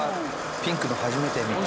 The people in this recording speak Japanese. ピンクの初めて見た。